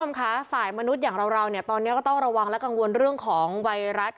สำคัญค่ะฝ่ายมนุษย์อย่างเราตอนนี้ก็ต้องระวังและกังวลเรื่องของไวรัส